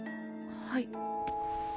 はい。